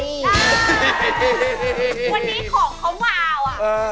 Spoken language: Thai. วันนี้ของเขาวาวอ่ะ